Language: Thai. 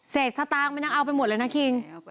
สตางค์มันยังเอาไปหมดเลยนะคิง